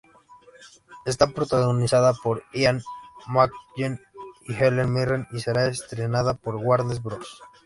Está protagonizada por Ian McKellen y Helen Mirren y será estrenada por Warner Bros.